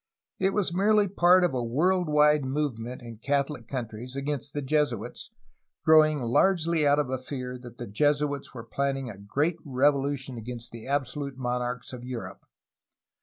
It was merely part of a world wide move ment in CathoHc countries against the Jesuits, growing largely out of a fear that the Jesuits were planning a great revolution against the absolute monarchs of Europe.